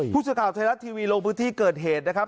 ผู้สื่อข่าวไทยรัฐทีวีลงพื้นที่เกิดเหตุนะครับ